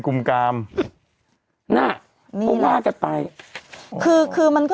คือมันก็เลยเป็นเหมือนแบบ